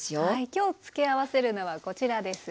今日付け合わせるのはこちらです。